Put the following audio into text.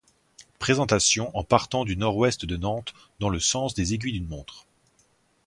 Présentation en partant du nord-ouest de Nantes dans le sens des aiguilles d’une montre.